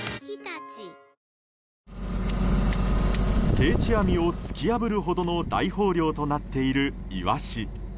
定置網を突き破るほどの大豊漁となっているイワシ。